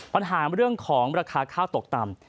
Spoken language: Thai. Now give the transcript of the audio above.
ปัญหาเรื่องของราคาข้าวตกต่ำ